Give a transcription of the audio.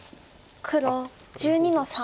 黒１２の三。